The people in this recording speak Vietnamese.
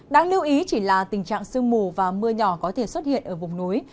đáng lưu ý chỉ là tình trạng sương mù và mưa nhỏ có thể xuất hiện ở vùng núi